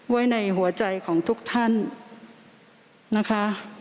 ไว้ในหัวใจของทุกท่านนะคะ